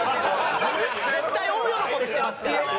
絶対大喜びしてますから。